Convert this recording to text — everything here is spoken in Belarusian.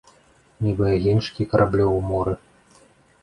Нібы агеньчыкі караблёў у моры.